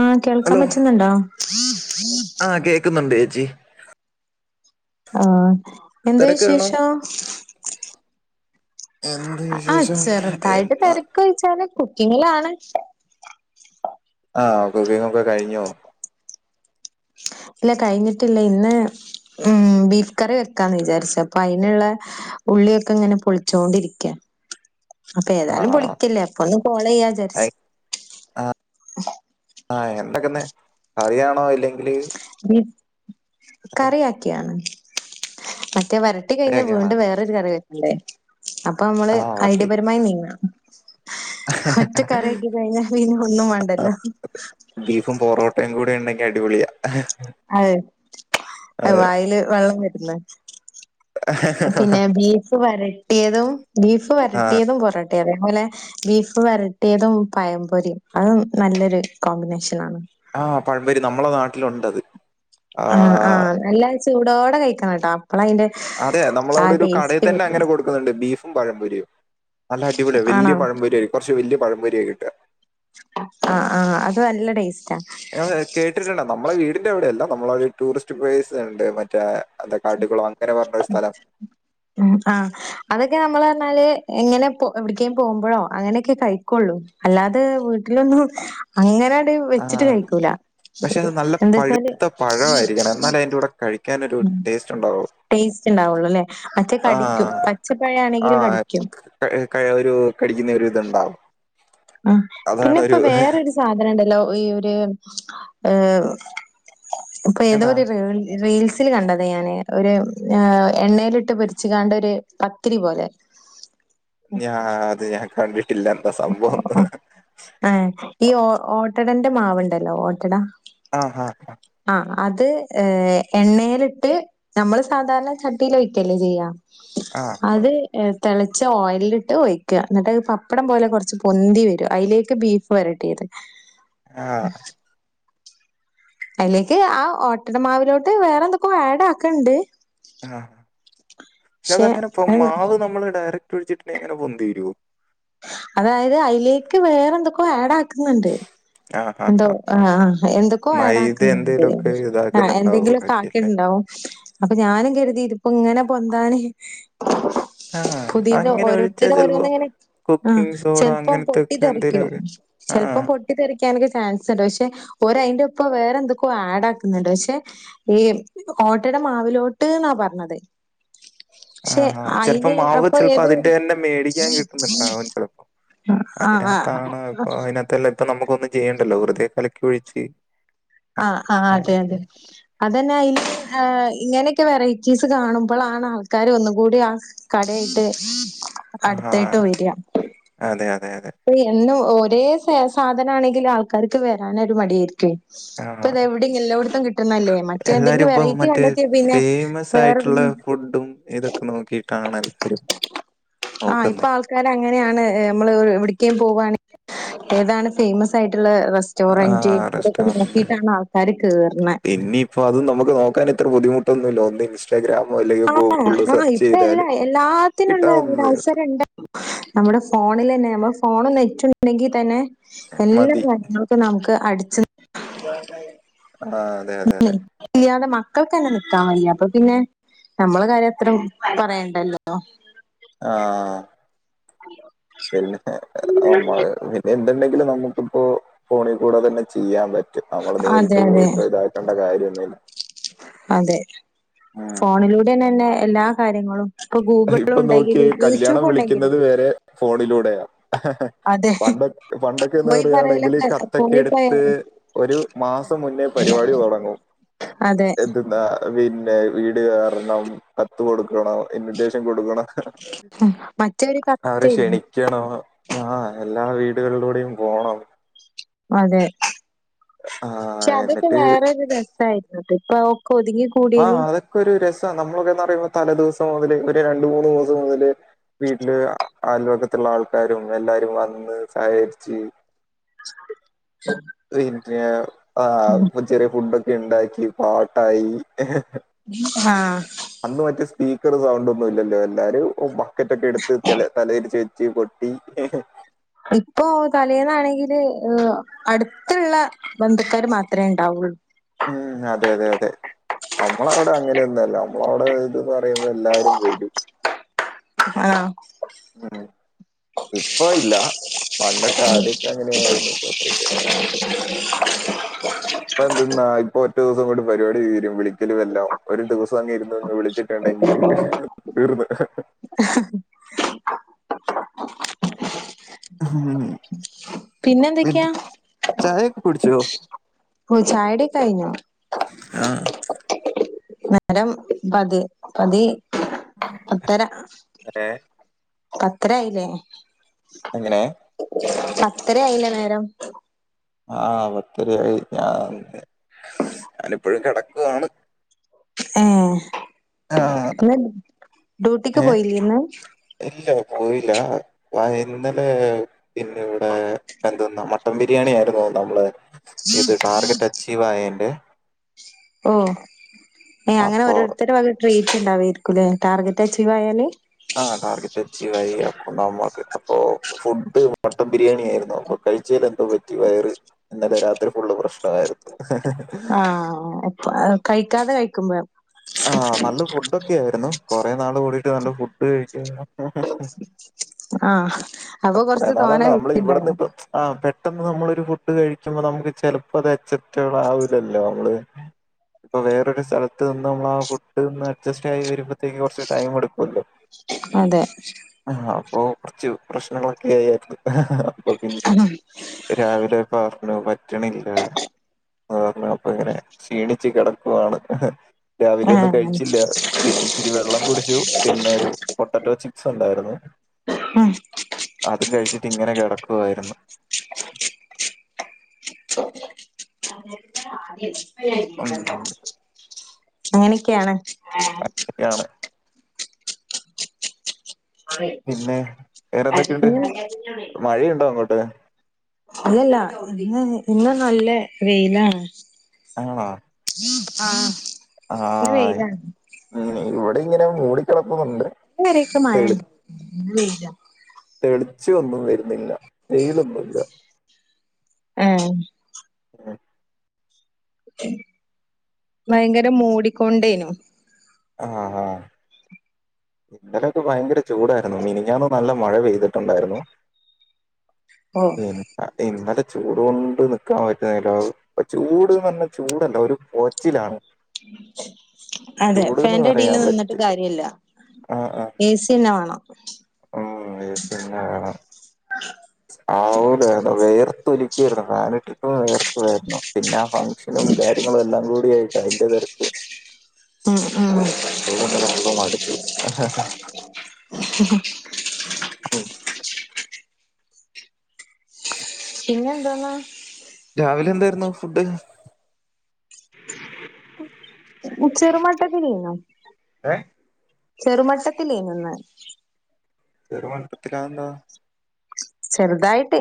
ആഹ് കേൾക്കാൻ പറ്റുന്നുണ്ടോ? ആഹ് കേക്കുന്നുണ്ടെച്ചീ. ആഹ് എന്താ തിരക്കാണോ വിശേഷം? എന്ത് ആഹ് വിശേഷം ചെറുതായിട്ട് എന്നാ തെരക്കൊയ്ച്ചാല് കുക്കിങ്ങിലാണ്. ആഹ് കുക്കിങ്ങോക്കെ കഴിഞ്ഞോ? ഇല്ല കഴിഞ്ഞിട്ടില്ല ഇന്ന് ഉം ബീഫ് കറി വെക്കാന്ന് വിചാരിച്ച് അപ്പൊ അയിന്ള്ളെ ഉള്ളിയൊക്കെ ഇങ്ങനെ പൊളിച്ചോണ്ടിരിക്ക. അപ്പൊ ഏതായാലും ആണോ പൊളിക്കല്ലേ അപ്പൊ ഒന്ന് കോളെയ്യാ വിചാരിച്ച്. ഐ- ആഹ് എന്തക്കന്നെ കറിയാണോ ഇല്ലെങ്കില് കറിയാക്കിയാണ് മറ്റേ വര ട്ടി കഴിഞ്ഞൽ കറിയാക്കിയാണോ വീണ്ടും വേറൊരു കറി വെക്കണ്ടേ അപ്പൊ നമ്മള് ആ ശരി ഐഡിയപരമായി നീങ്ങണം. ഒറ്റ കറിവെപ്പൊക്കെ കഴിഞ്ഞ പിന്ന ഒന്നും വേണ്ടല്ലോ. ബീഫും പൊറോട്ടയും കൂടെ ഉണ്ടെങ്കി അടിപൊളിയാ. അവ് അതെ വായില് വെള്ളം വരുന്ന്. പിന്നെ ബീഫ് വരട്ടിയതും ബീഫ് ആ വരട്ടിയതും പൊറൊട്ടേയതെ പോലെ ബീഫ് വെരട്ടിയതും പയംപൊരി അതും നല്ലൊരു കോമ്പിനേഷൻ ആണ്. ആഹ് പഴമ്പൊരി നമ്മളെ നാട്ടിലൊണ്ടത്. ആഹ് ആഹ് നല്ലാ ചൂടോടെ കഴിക്കാണ ട്ടോ അപ്പള അയിന്റെ അതെ ആ നമ്മളവിടെ ഒരു കടയിൽ ടേസ്റ്റ് തന്നെ വരും. അങ്ങനെ കൊടുക്കുന്നുണ്ട് ബീഫും പഴംപൊരിയും. നല്ല അടിപൊളി ആണോ? വലിയ പഴം പൊരിയ കൊറച്ച് വലിയ പഴം പൊരിയ കിട്ടുക. ആഹ് ആഹ് അത് നല്ല ടേസ്റ്റാ. ഞ കേട്ടിട്ടുണ്ട നമ്മളെ വീടിന്റെവിടെയല്ല നമ്മള ഒരു ടൂറിസ്റ്റ് പ്ലേസ് ഉണ്ട് മറ്റേ എന്താ കാട്ട്കുളം അങ്ങനെ പറഞ്ഞ ഒരു സ്ഥലം. ഉം ആഹ്. അതൊക്കെ നമ്മള് പറഞ്ഞാല് എങ്ങനെപൊ എവിടക്കേ പോകുമ്പോഴോ അങ്ങനെയൊക്കെ കഴിക്കുള്ളൂ. അല്ലാതെ വീട്ടിലൊന്നും അങ്ങനെ ആ, വെച്ചിട്ട് കഴിക്കൂല പക്ഷെ അത് നല്ല എന്താച്ചാല് പഴുത്ത പഴമായിരിക്കണം എന്നാലേ അതിന്റെ കൂടെ കഴിക്കാനൊരു ഉം ടേസ്റ്റ് ഉണ്ടാവും ടേസ്റ്റ് ഉണ്ടാവുള്ളു അല്ലേ മറ്റേ ആ കടിക്കും പച്ചപ്പഴ ആണെങ്കില് കടിക്കും. എ കയ് ഒരു കടിക്കുന്നൊരു ഇത്ണ്ടാവും. ആഹ് പിന്നെ ഇപ്പൊ വേറരു സാധനംണ്ടല്ലോ ഈ ഒരു ഏഹ് ഇപ്പൊ ഏതരു എന്താ റേൽ റീൽസ് റീല്സില് കണ്ടതാ ഞാന് ഒരു എണ്ണയിലിട്ട് പൊരിച്ച് കാണ്ട് ഒരു പത്തിരി പോലെ ഞാ അത് ഞാൻ കണ്ടിട്ടില്ല എന്താ സംഭവം എന്താന്ന് ആഹ് ഈ ഓട്ട ഓട്ടടന്റെ മാവ് ഇണ്ടല്ലോ ഓട്ടട ആഹ് ആഹ് ആഹ് അത് ഏഹ് എണ്ണേലിട്ട് നമ്മള് സാധാരണ ചട്ടീല് ഒഴിക്കല്ലേ ചെയ്യ ആ അത് തെളച്ച ഓയലിട്ട് ഒഴിക്ക എന്നിട്ട് അത് പപ്പടം പോലെ കൊറച്ച് പൊന്തി വെരും അതിലേക്ക് ബീഫ് വരട്ടിയത് ആ അയിലേക്ക് ആഹ് ഓട്ടയുടെ മാവിലോട്ട് വേറെ എന്തൊക്കോ ആഡ് ആക്ക്ണ്ട് ആഹ് പക്ഷെ അതെങ്ങെനെ ഇപ്പ മാവ് നമ്മള് ഡയറക്ട് ഒഴിച്ചിട്ട്ണ്ടെങ്കി എങ്ങനെ പൊന്തതി വരും അതായത് അതിലേക്ക് വേറെ എന്തൊക്കോ ആഡ് ആക്കുന്നുണ്ട് ആ ആ എന്തോ ആ ആഹ് എന്തൊക്കോ മൈദ ആടാക്കുന്നുണ്ട് എന്തേലുമൊക്കെ ആഹ് എന്തെങ്കിലും ഇതാക്കുന്നുണ്ടാവുമായിരിക്കും കാട്ടി അല്ലേ ഇണ്ടാവും അപ്പൊ ഞാനും കരുതി ഇതിപ്പോ ഇങ്ങനെ പൊന്താന് ആഹ് പുതിയത് അങ്ങനെ ഒഴിച്ചാ ഓരോര്ത്തര് ചെലപ്പോ ഓരോന്ന് ഇങ്ങനെ ആഹ് കുക്കിംഗ് സോഡ ചെിലപ്പം പൊട്ടി അങ്ങനത്തൊക്കെ തെറിക്കും എന്തേലുമൊക്കെ ചെലപ്പം ആഹ് പൊട്ടി പൊട്ടിതെറിക്കാനൊക്കെ ചാൻസ് ഉണ്ട് പക്ഷെ ഓര് അയിന്റെ ഒപ്പം വേറെന്തൊക്കോ ആടാക്കുന്നുണ്ട് പക്ഷേ ഏയ് ഓട്ടയട മാവിലോട്ട് എന്നാ പറഞ്ഞത് പക്ഷെ ആഹാ ചെല്പ്പോ അയിന് മാവ് അപ്പൊ ചിലപ്പോ ഏതോ അതിന്റെ ഒരു തന്നെ മേടിക്കാൻ കിട്ടുന്നുണ്ടാവും ആഹ് ആഹ് അതിനകതാണ് ഇപ്പൊ അതിനകത്തെല്ലെ ഇപ്പൊ നമ്മക്കൊന്നും ചെയ്യണ്ടല്ലോ വെറുതെ കലക്കി ഒഴിച്ച് ആഹ് അങ്ങനെ. ആഹ് അതെ അതെ അതന്നെ അയ്ല് ഏഹ് ഇങ്ങനെക്കെ വെറൈറ്റീസ് കാണുമ്പളാണ് ആൾക്കാര് ഒന്നും കൂടി ആഹ് കടയ്ട്ട് അട്ത്തോട്ട് ആഹ് വെര അതെ അതെ അതെ ഒന്നും ഒരേ സാധന ആണെങ്കില് ആൾക്കാർക്ക് വെരാനൊരു മടിയായിരിക്കേയ് ആഹ് ഇപ്പൊതെവ്ടിം എല്ലോട്ത്തും കിട്ട്ന്നല്ലേ. മറ്റേ എല്ലാരും എന്തെങ്കിലും ഇപ്പൊ വെറൈറ്റി മറ്റേ കണ്ടെത്തിയാ പിന്നെ ഫേമസ് വേറെ ആയിട്ടുള്ള ഫുഡും ഇതൊക്കെ നോക്കിയിട്ടാണ് എല്ലാരും ആഹ് ഇപ്പ നോക്കുന്നേ ആൾക്കാ ആള്ക്കാര് അങ്ങനെയാണ്. നമ്മള് എവിട്ക്കേം പോവാണെങ്കി ഏതാണ് ഫേയ്മസ് ആയിട്ടുള്ള റസ്‌റ്റോ റെസ്റ്റോറൻ്റ് ആഹ് ഇതൊക്കെ റെസ്റ്റോറന്റ് നോക്കിട്ടാണ് ആൾക്കാര് കേറ്ണ് ഇപ്പ അതും നമ്മക്ക് നോക്കാനിത്ര ബുദ്ധിമുട്ടൊന്നൂല്ല. ഒഹ് ആണോ. ആഹ് ഇപ്പ ചെയ്താല് എല്ലാ എല്ലാത്തിനുള്ള ഒരു കിട്ടാവുന്നതേ ഉള്ളൂ. അവസരം ഉണ്ട് നമ്മുടെ ഫോണിലന്നെ നമ്മടെ ഫോണും നെറ്റും ഉണ്ടെങ്കി തന്നെ എല്ലാ മതി. കാര്യങ്ങളും നമുക്ക് അട്ച്ച് ആഹ്. [unintelligible] ഇല്ലാതെ മക്കൾക്കന്നെ നിക്കാൻ വയ്യ. അപ്പൊ പിന്നെ നമ്മൾടെ കാര്യം അത്ര പറയണ്ടല്ലോ. ആഹ് പിന്നെ നമ്മള് പി എന്തുണ്ടെങ്കിലും നമുക്കിപ്പോ ഫോണിക്കൂടെ തന്നെ ചെയ്യാൻ പറ്റും. നമ്മൾ നേരിട്ട് അതെ അതെ പോയിട്ടോ ഇതാക്കി ക്കണ്ട കാര്യൊന്നെല്ല. അതെ ഉം. ഫോണിലൂടെന്നെ തന്നെ എല്ലാ കാര്യങ്ങളും ഇപ്പൊ ഗൂഗിൾ ഇപ്പൊ ഉണ്ടെങ്കിലും നോക്കിയേ കല്യാണം യൂട്യൂബ് ഉണ്ടെങ്കിലും വിളിക്കുന്നത് വരെ ഫോണിലൂടെയാ. അതെ പണ്ടൊ പണ്ടൊക്കെന്ന് പോയി പറയാണെങ്കില് പറയലൊക്കെ കത്തൊക്കെ പോയി പറയ എടുത്ത് ഒരു മാസം മുന്നേ പരിപാടി തുടങ്ങും. അതെ എന്തുന്നാ പിന്നെ വീട് കയറണം, കത്ത് കൊടുക്കണം, ഇൻവിറ്റേഷൻ കൊടുക്കണം മറ്റൊരു അവരെ കത്തേനു ക്ഷണി ക്കണം. ആഹ് എല്ലാ വീടുകളിലൂടെയും പോണം. അതെ ആ പക്ഷെ അതൊക്കെ എന്നിട്ട് വേറൊരു രസായി ഇപ്പ ഒക്കെ ഒതുങ്ങി ആഹ് കൂടിയേല് അതൊക്കെ ഒരു രസാ. നമ്മളൊക്കെന്നു പറയുമ്പോ തലേ ദിവസം മുതല് ഒരു രണ്ടു മൂന്ന് ദിവസം മുതല് വീട്ടില് അയൽപക്കത്തുള്ള ആൾക്കാരും എല്ലാരും വന്ന് സഹകരിച്ച് [unintelligible] ആഹ് ചെറിയ ഫുഡൊക്കെ ഉണ്ടാക്കി പാട്ടായി ആഹ് അന്ന് മറ്റേ സ്പീക്കർ സൗണ്ട് ഒന്നും ഇല്ലല്ലോ. എല്ലാരും ബക്കറ്റ് ഒക്കെ എടുത്ത് തലേ തല തിരിച്ച് വെച്ച് കൊട്ടി ഇപ്പൊ തലേന്നാണെങ്കില് ഏഹ് അടുത്തുള്ള ബന്ധുക്കാര് മാത്രേ ഉണ്ടാവുള്ളൂ. ഉം അതെ അതെ. നമ്മളവിടെ അങ്ങനെയൊന്നും അല്ല. നമ്മളവിടെ ഇതെന്ന് പറയുമ്പോ എല്ലാരും വരും. ആഹ്. ഉം ഇപ്പോ ഇല്ല. പണ്ടൊക്കെ ആദ്യക്കെ അങ്ങനെയായിരുന്നു കുറച്ചൊക്കെ. ഇപ്പൊ എന്തുന്നാ ഇപ്പൊ ഒറ്റ ദിവസം കൊണ്ട് പരിപാടി തീരും വിളിക്കലും എല്ലാം. ഒരു ദിവസങ്ങ് ഇരുന്നങ്ങ് വിളിച്ചി ട്ടുണ്ടെങ്കില് തീർന്ന്. ഉം. പിന്നെ എന്തൊക്കെയാ? ചായ ഒക്കെ കുടിച്ചോ? ചായ കുടിയൊക്കെ കഴിഞ്ഞു. ആഹ് നേരം പത് പതി പത്തര ഏഹ്? പത്തര ആയില്ലേ. എങ്ങനെ പത്തര ആയില്ല നേരം ആഹ് പത്തരയായി ഞ ഞാനിപ്പോഴും കിടക്കുവാണ് ഏ ആഹ്. ഇന്ന് ഡ്യൂട്ടിക്ക് ഏ? പോയില്ലന്ന്? ഇല്ല പോയിലാ വ ഇന്നലെ പിന്നെ ഇവിടെ എന്തെന്നാ മട്ടൻ ബിരിയാണിയിരുന്നു നമ്മള് ഇത് ടാർഗറ്റ് അച്ചീവ് ആയെന്റെ ഓ ഏയ് അങ്ങനെ ഓരോരുത്തരും വക ട്രീറ്റ്‌ റ്റ് ഉണ്ടാവയിരിക്കൂലേ ടാർഗറ്റ് അച്ചീവ് ആയാല് ആഹ് ടാർഗറ്റ് അച്ചീവ് ആയി അപ്പൊ നമ്മക്ക് അപ്പൊ ഫുഡ് മട്ടൻ ബിരിയാണി ആയിരുന്നു അപ്പൊ കഴിച്ചേൽ എന്തോ പറ്റി വയറ് ഇന്നലെ രാത്രി ഫുള്ള് പ്രശ്നായിരുന്നു ആഹ് കഴിക്കാതെ കഴിക്കുമ്പോ ആഹ് നല്ല ഫുഡൊക്കെ ആയിരുന്നു കൊറെ നാള് കൂടിട്ട് നല്ല ഫുഡ് കഴിക്ക ആഹ് അപ്പൊ കൊറച്ച് തോനെ കഴിക്കണ്ടേ ആഹ് പെട്ടെന്ന് നമ്മളൊരു ഫുഡ് കഴിക്കുമ്പോ നമുക്ക് ചെലപ്പോ അത് അക്‌സെപ്റ് ആവില്ലല്ലോ നമ്മള് ഇപ്പൊ വേറൊരു സ്ഥലത്ത് നിന്ന് നമ്മള ആഹ് ഫുഡ് ഒന്ന് അഡ്ജസ്റ്റ് ആയി വരുമ്പോഴേക്ക് കുറച്ച് ടൈം എടുക്കല്ലോ അതെ ആഹ് അപ്പൊ കുറച്ച് പ്രശ്നങ്ങളൊക്കെ ആയേയ്രുന്നു അഹാ അപ്പെ പിന്നെ രാവിലെ പറഞ്ഞു പറ്റ്ണില്ല അഹ് അപ്പൊ ഇങ്ങനെ ക്ഷീണിച്ചു കിടക്കുവാണ് രാവിലെ ഒന്നും ആഹ് കഴിച്ചില്ല പിന്നെ ഇച്ചിരി വെള്ളം കുടിച്ചു പിന്നെ ഒരു പൊട്ടാറ്റോ ചിപ്സ് ഉണ്ടായിരുന്നു [unintelligible] അതും കഴിച്ചിട്ട് ഇങ്ങനെ കിടക്കുവായിരുന്നു [unintelligible] ഉം അങ്ങനെക്കെയാണ് യാണ് പിന്നെ വേറെന്തൊക്കെയുണ്ട് ഇന്ന് മഴയുണ്ടോ അങ്ങോട്ട് അതല്ല ഇന്ന് ഇന്ന് നല്ല വെയിലാണ് ആണോ ആഹ് ഇന്ന് ആയ് വെയിലാണ് ഇവിടെ ഇങ്ങനെ മൂടിക്കിടക്കുന്നുണ്ട് ഇന്നെരുസിം മഴയുണ്ട് ഇന്ന് വെയിലാ തെളിച്ച് ഒന്നും വരുന്നില്ല തേയിലൊന്നൂല്ല ഏഹ് ഉം. ഭയങ്കര മൂടിക്കൊണ്ടേയ്നു ആഹ് ആഹ് ഇന്നലെയൊക്കെ ഭയങ്കര ചൂടായിരുന്നു മിനിഞ്ഞാന്ന് നല്ല മഴ പെയ്തിട്ടുണ്ടായിരുന്നു ഓഹ് അടിം ഇന്നലെ ചൂട് കൊണ്ട് നിക്കാൻ പറ്റാഞ്ഞിട്ടാ പ്പൊ ചൂട്ന്ന് പറഞ്ഞ ചൂടല്ല ഒരു പൊകച്ചിലാണ് ചൂട്ന്ന് പറയാൻ പറ്റില്ല ഇല്ല ആഹ് ആഹ് ഏസിന്നെ വാണം ഉം ഏസിയന്നെ വേണം ആഹ് വേയർത്ത് ഒലിക്കായിരുന്നു ഫാന ഇട്ടിട്ട് വേർക്കുവായിരുന്നു പിന്നെ ഫംഗ്ഷനും കാര്യങ്ങളും എല്ലാം കൂടിയായിട്ട് അയ്ന്റെ തരക്ക് ഉം ഉം വെള്ളം നല്ല വെള്ളവും അടുത്തു [unintelligible] ഉംഹ് [unintelligible] പിന്നന്തോന്നോ രാവിലെന്തായിരുന്നു ഫുഡ് ചെറുമട്ടത്തിലേനു ഏ ചെറുമട്ടത്തിലേ നുന്ന് ചെറുമട്ടത്തിലാ അഹ്‌ ന്താ ചെറുതായിട്ട്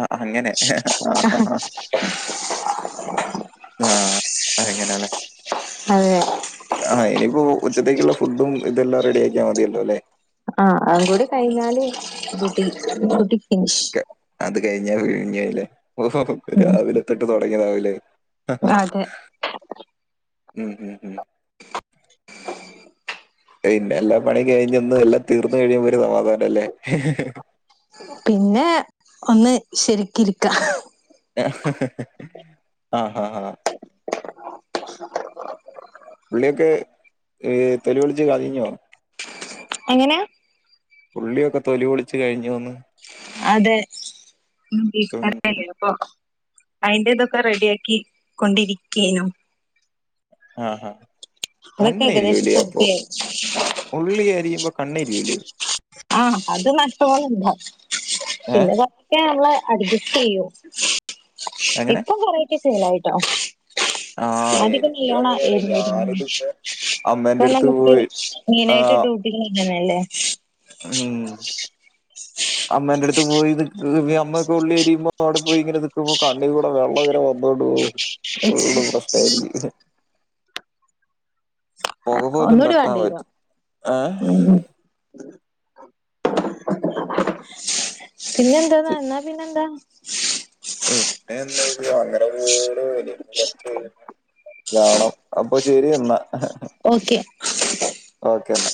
ആഹ് അങ്ങനെ ആഹ് ആഹ് ആഹ് അയങ്ങനെണ് അതെ ആഹ് ഇനിയിപ്പോ ഉച്ചത്തേക്കുള്ള ഫുഡും ഇതെല്ലാം റെഡിയാക്കിയാ മതിയല്ലോല്ലെ ആഹ് അഹ്കൂടി കയിഞ്ഞാല് ഡൂട്ടി ഡൂട്ടി ഫിനിഷ് അത് കയിഞ്ഞാ കഴിഞ്ഞല്ലേ ഓഹ് ഉം രാവിലെ തൊട്ട് തൊടങ്ങിയതാവൂലേ അതെ ഉം പിന്നെ എല്ലാ പണി കയിഞ്ഞ ഒന്ന് എല്ലാം തീർന്ന കഴിയുമ്പ ഒരു സമാധാനല്ലേ പിന്നെ ഒന്ന് ശരിക്കിരിക്കാ ആഹ് ആഹ് ആഹ് ഉള്ളിയൊക്കെ തെലിപൊളിച്ച് കളഞ്ഞോ എങ്ങനെ ഉള്ളിയൊക്കെ തൊലി പൊളിച്ച് കഴിഞ്ഞുവോന്ന് അതെ ഉം [unintelligible] അയിൻ്റിതൊക്കെ റെഡിയാക്കി കൊണ്ടിരിക്കേനു ആഹ് അതൊക്കെ ഏകദേശം കണ്ണരിയൂലപ്പൊ പൂർത്തിയായി ഉള്ളി അരിയുമ്പോ കണ്ണരിയൂലേ ആഹ് അത് നട്ടോലിണ്ടാവു ഏഹ് പിന്നെ കൊറെക്ക നമ്മള് അഡ്ജസ്റ്റ് ചെയ്യോ എങ്ങനെ ഇപ്പൊ കൊറെ ക്കെ ശീലായിട്ടോ ആഹ് അധിക എനിക്കും അങ്ങനെയാണ് ഞാനിതിപ്പോ [unintelligible] ഇപ്പൊ അമ്മേന്റെ അടുത്ത് നമക്ക് പോയി മെയിനായിട്ട് ആഹ് ഡ്യൂട്ടിയിതല്ലേ ഉം അമ്മേന്റെടുത്ത് പോയി നിക്ക അമ്മക്കെ ഉള്ളിരിയുമ്പോ അവിടെ പോയി ഇങ്ങനെ നിക്കുമ്പോ കണ്ണികൂടെ വെള്ളങ്ങന്നെ വന്നോണ്ട് പോ ഉള്ള പ്രശ്നായിരിക്കും പൊക പോലും ഒന്നൂടി തട്ടാൻ വാണ്ടി വരുവോ പറ്റും ഏഹ് ഉം പിന്നെ എന്തന്നാ എന്നാ പിന്നെന്താ പിന്ന എന്താ അങ്ങനപോണ് [unintelligible] കാണാം അപ്പൊ ശെരിന്നാ ഓക്കെ ഓക്കെ എന്നാ